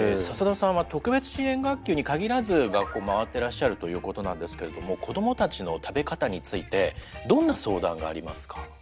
笹田さんは特別支援学級に限らず学校を回ってらっしゃるということなんですけれども子どもたちの食べ方についてどんな相談がありますか？